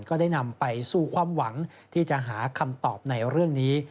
ก็ได้นำไปสู่ความหวังที่จะหาคำตอบในเรื่องนี้